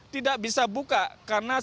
tidak bisa buka